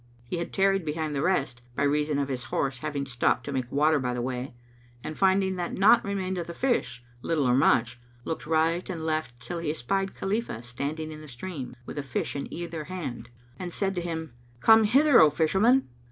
He had tarried behind the rest, by reason of his horse having stopped to make water by the way, and finding that naught remained of the fish, little or much, looked right and left, till he espied Khalifah standing in the stream, with a fish in either hand, and said to him, "Come hither, O Fisherman!"